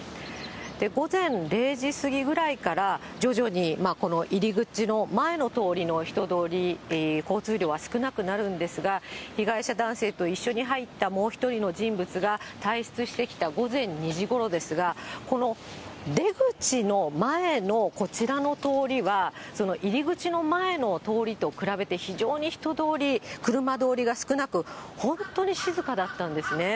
午前０時過ぎぐらいから、徐々にこの入り口の前の通りの人通り、交通量は少なくなるんですが、被害者男性と一緒に入ったもう一人の人物が退室してきた午前２時ごろですが、この出口の前のこちらの通りは、入り口の前の通りと比べて、非常に人通り、車通りが少なく、本当に静かだったんですね。